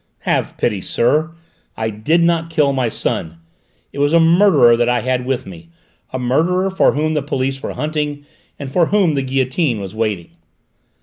"Have pity, sir! I did not kill my son. It was a murderer that I had with me, a murderer for whom the police were hunting and for whom the guillotine was waiting!"